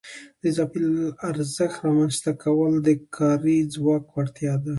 د اضافي ارزښت رامنځته کول د کاري ځواک وړتیا ده